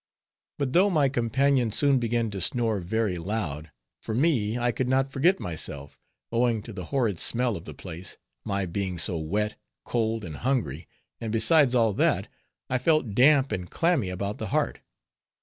But though my companion soon began to snore very loud, for me, I could not forget myself, owing to the horrid smell of the place, my being so wet, cold, and hungry, and besides all that, I felt damp and clammy about the heart.